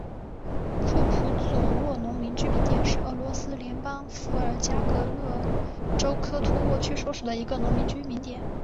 库普佐沃农村居民点是俄罗斯联邦伏尔加格勒州科托沃区所属的一个农村居民点。